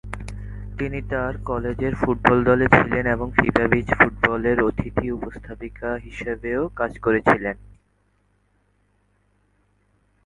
তিনি তার কলেজের ফুটবল দলে ছিলেন এবং ফিফা বিচ ফুটবলের অতিথি উপস্থাপিকা হিসেবেও কাজ করেছিলেন।